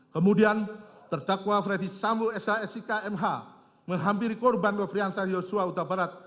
kemudian terdakwa ferdi sambo shsi kmh menghampiri korban lovrianza joshua utabarat